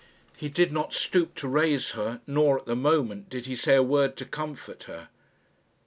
He did not stoop to raise her, nor, at the moment, did he say a word to comfort her.